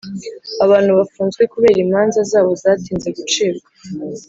Abantu bafunzwe kubera imanza zabo zatinze gucibwa